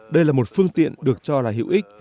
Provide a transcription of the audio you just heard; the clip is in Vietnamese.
đây là một phương tiện được cho là hữu ích